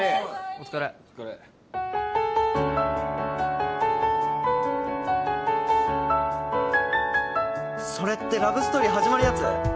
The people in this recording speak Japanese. お疲れお疲れそれってラブストーリー始まるやつ？